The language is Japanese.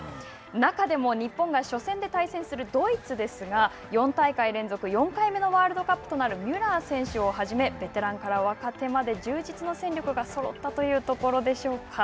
中でも日本が初戦で対戦するドイツですが４大会連続４回目のワールドカップとなるミュラー選手をはじめ、ベテランから若手まで充実の戦力がそろったというところでしょうか。